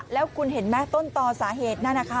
แล้วคุณเห็นไหมต้นต่อสาเหตุนั่นนะคะ